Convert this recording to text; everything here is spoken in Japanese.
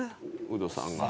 ウドさんが。